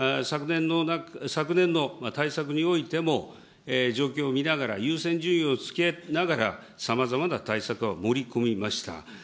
昨年の対策においても、状況を見ながら、優先順位をつけながら、さまざまな対策は盛り込みました。